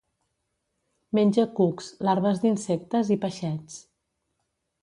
Menja cucs, larves d'insectes i peixets.